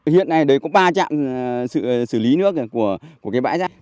hiện nay đấy có ba trạm xử lý nước của cái bãi giác